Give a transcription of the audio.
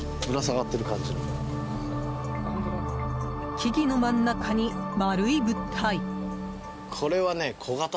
木々の真ん中に丸い物体。